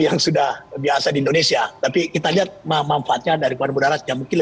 yang sudah biasa di indonesia tapi kita lihat manfaatnya daripada berdarah yang mungkin